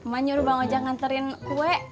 mama nyuruh bang ojak nganterin kue